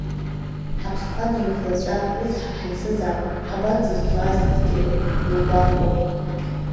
Ҳаԥсқәа неихәлаҵәа, рыцҳа, ҳаицызаап, ҳабанӡазцо асгьы зугәахәуа!